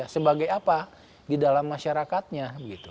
sebagai apa di dalam masyarakatnya